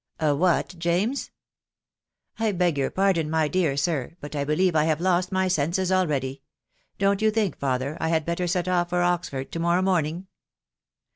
" A what, James ?"" I beg your pardon, my dear sir, but 1 believe I have lost my senses already. Don't you think, father, I had better set off for Oxford to morrow morning